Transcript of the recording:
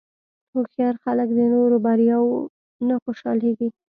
هوښیار خلک د نورو بریاوو نه خوشحالېږي.